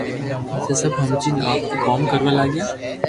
پسي سب ھمجين آپرو ڪوم ڪروا لاگيا